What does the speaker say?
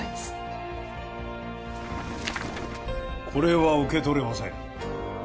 これは受け取れません。